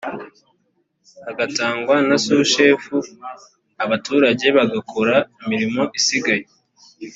hagatangwa na sushefu abaturage bagakora imirimo isigaye